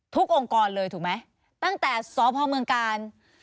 องค์กรเลยถูกไหมตั้งแต่สพเมืองกาล